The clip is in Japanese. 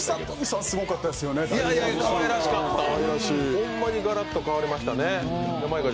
ホンマにガラッと変わりましたね。